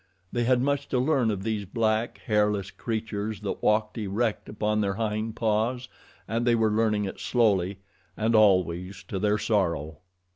They had much to learn of these black, hairless creatures that walked erect upon their hind paws and they were learning it slowly, and always to their sorrow.